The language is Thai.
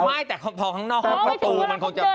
ไม่แต่พอข้างนอกห้องเดินออกไปแต่ประตูมันคงจะ